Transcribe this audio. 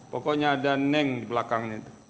pokoknya ada neng di belakangnya itu